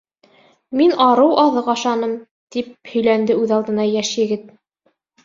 — Мин арыу аҙыҡ ашаным, — тип һөйләнде үҙ алдына йәш егет.